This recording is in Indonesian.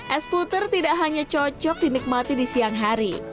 es puter tidak hanya cocok dinikmati di siang hari